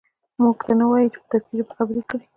موږ ته نه وایي چې په ترکي ژبه یې خبرې کړي.